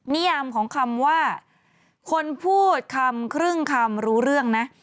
นิยามของคำว่าคนพูดคำครึ่งคำรู้เรื่องนะ